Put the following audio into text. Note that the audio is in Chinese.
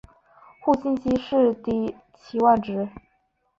互信息是的期望值。